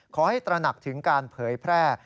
ตระหนักถึงการเผยแพร่